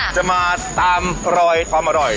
จะมาตามรอยความอร่อย